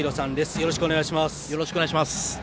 よろしくお願いします。